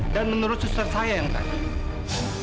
dan menurut suster saya yang tadi